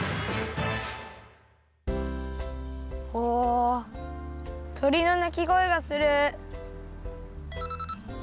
おとりのなきごえがする。